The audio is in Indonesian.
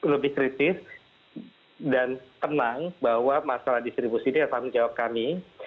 lebih kritis dan tenang bahwa masalah distribusi ini adalah tanggung jawab kami